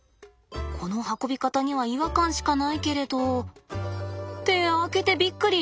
この運び方には違和感しかないけれど。って開けてびっくり！